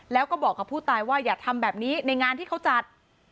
แล้วก็บอกกับผู้ตายว่าอย่าทำแบบนี้ในงานที่เขาจัด